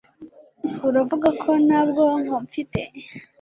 Uravuga ko nta bwonko mfite?